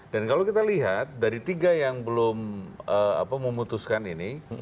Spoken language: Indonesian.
dan kalau kita lihat dari tiga yang belum memutuskan ini